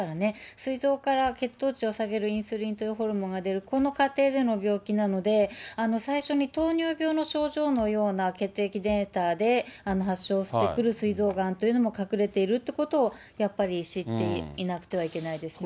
すい臓から血糖値を下げるインスリンというホルモンが出る、この過程での病気なので、最初に糖尿病の症状のような血液データで、発症してくるすい臓がんというのも隠れているということを、やっぱり知っていなくてはいけないですね。